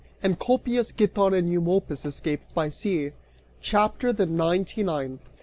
ENCOLPIUS, GITON AND EUMOLPUS ESCAPE BY SEA CHAPTER THE NINETY NINTH.